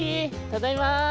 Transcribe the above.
ただいま！